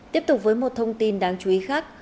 tiếp tục với một thông tin đáng chú ý khác